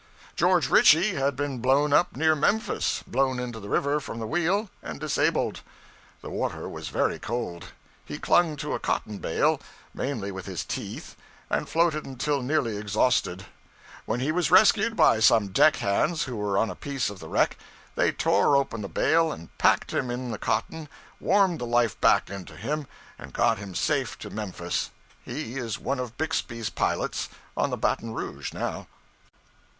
George Ritchie had been blown up near Memphis blown into the river from the wheel, and disabled. The water was very cold; he clung to a cotton bale mainly with his teeth and floated until nearly exhausted, when he was rescued by some deck hands who were on a piece of the wreck. They tore open the bale and packed him in the cotton, and warmed the life back into him, and got him safe to Memphis. He is one of Bixby's pilots on the 'Baton Rouge' now.